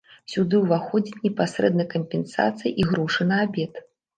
Сюды ўваходзіць непасрэдна кампенсацыя і грошы на абед.